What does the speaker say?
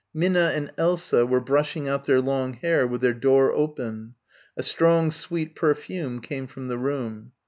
Minna and Elsa were brushing out their long hair with their door open. A strong sweet perfume came from the room.